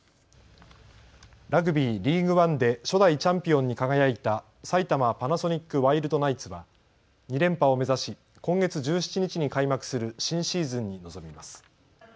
ラグビー、リーグワンで初代チャンピオンに輝いた埼玉パナソニックワイルドナイツは２連覇を目指し、今月１７日に開幕する新シーズンに臨みます。